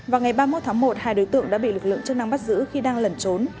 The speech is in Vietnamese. vào ngày ba mươi một tháng một hai đối tượng đã bị lực lượng chức năng bắt giữ khi đang lẩn trốn